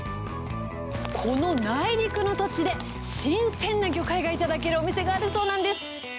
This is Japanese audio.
この内陸の土地で、新鮮な魚介が頂けるお店があるそうなんです。